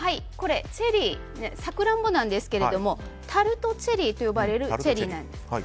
チェリーサクランボなんですけどタルトチェリーと呼ばれるチェリーなんです。